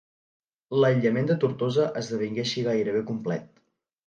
L'aïllament de Tortosa esdevingué així gairebé complet.